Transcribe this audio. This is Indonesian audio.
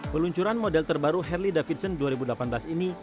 peluncuran model terbaru harley davidson dua ribu delapan belas ini